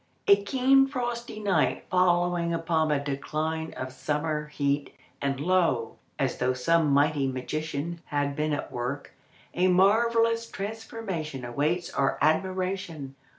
A keen frosty night following upon the decline of summer heat, and lo, as though some mighty magician had been at work, a marvellous transformation awaits our admiration!